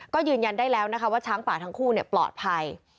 ก็ยืนยันได้แล้วนะคะว่าช้างป่าทั้งคู่ปลอดภัย